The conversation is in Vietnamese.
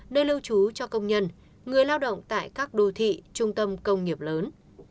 nơi lưu trú cho công nhân người lao động tại các đô thị trung tâm công nghiệp lớn